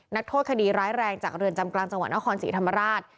นักโทษคดีร้ายแรงจากเรือนจำกลางจังหวัดนครศรีธรรมราช